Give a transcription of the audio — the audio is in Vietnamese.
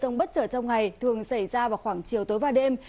trong bất trở trong ngày thường xảy ra vào khoảng chiều tối và đêm